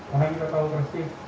karena kita tahu persis